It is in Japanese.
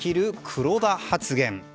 黒田発言。